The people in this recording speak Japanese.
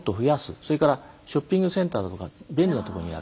それからショッピングセンターだとか便利なところにやる。